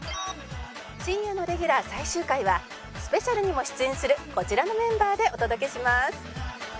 深夜のレギュラー最終回はスペシャルにも出演するこちらのメンバーでお届けします